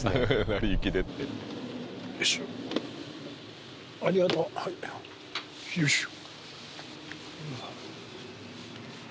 成り行きでってよいしょありがとうよいしょ